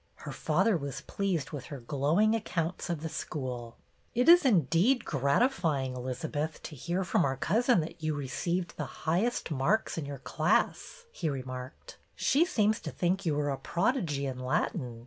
Her father was pleased with her glowing accounts of the school. " It is indeed gratifying, Elizabeth, to hear from our cousin that you received the highest marks in your class," he remarked. " She seems to think you are a prodigy in Latin.